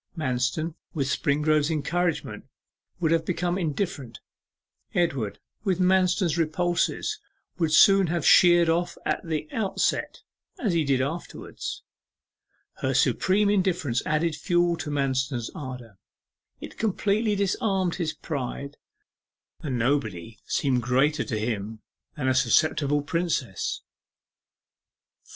Manston with Springrove's encouragement would have become indifferent. Edward with Manston's repulses would have sheered off at the outset, as he did afterwards. Her supreme indifference added fuel to Manston's ardour it completely disarmed his pride. The invulnerable Nobody seemed greater to him than a susceptible Princess. 4.